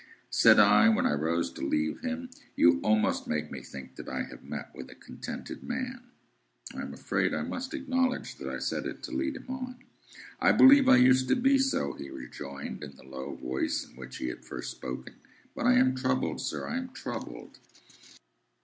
Said I, when I rose to leave him, "You almost make me think that I have met with a contented man." (I am afraid I must acknowledge that I said it to lead him on.) "I believe I used to be so," he rejoined, in the low voice in which he had first spoken; "but I am troubled, sir, I am troubled."